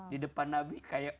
di depan nabi kayak